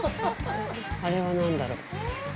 あれは何だろう？